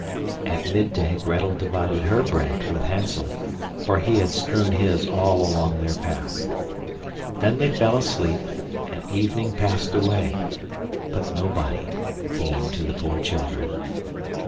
At midday Grettel divided her bread with Hansel, for he had strewn his all along their path. Then they fell asleep, and evening passed away, but nobody came to the poor children.